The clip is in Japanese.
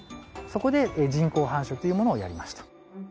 そこで人工繁殖というものをやりました。